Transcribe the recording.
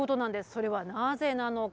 それはなぜなのか。